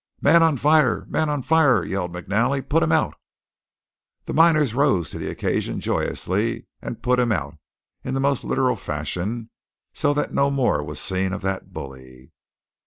"Man on fire! Man on fire!" yelled McNally. "Put him out!" The miners rose to the occasion joyously, and "put him out" in the most literal fashion; so that no more was seen of that bully.